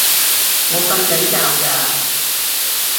我訓緊覺㗎